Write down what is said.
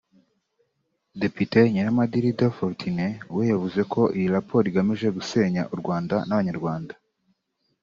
Depite Nyiramadirida Fortunée we yavuze ko iyi raporo igamije gusenya u Rwanda n’Abanyarwanda